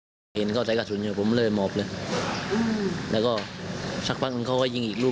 หุ้มมมอยู่ใกล้กับเพื่อนแล้วแล้วก็หูมันก็ดับไปเลย